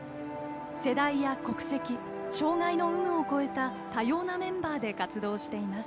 世代や国籍障がいの有無を超えた多様なメンバーで活動しています。